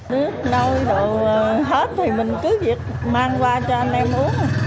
nước nấu đồ hết thì mình cứ việc mang qua cho anh em uống